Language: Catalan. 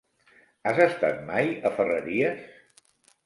Has estat mai a Ferreries?